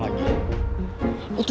lo tuh cuma mantan